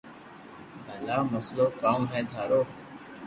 ڀلا مسلو ڪاو ھي ٿارو